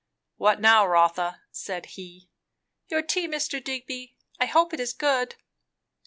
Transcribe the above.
"What now, Rotha?" said he. "Your tea, Mr. Digby. I hope it is good."